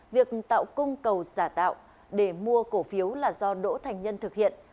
việc tạo cung cầu giả tạo để mua cổ phiếu là do đỗ thành nhân thực hiện